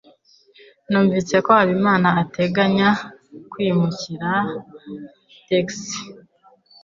Numvise ko Habimana ateganya kwimukira i texas.